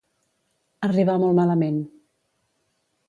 Arribar molt malament.